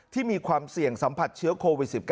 มีความเสี่ยงสัมผัสเชื้อโควิด๑๙